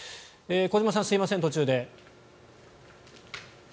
小島さん、すみません、途中で。